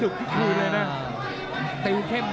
สายหนึ่งผมจะลองเติม